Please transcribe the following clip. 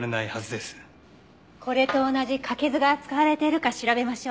これと同じ柿酢が使われているか調べましょう。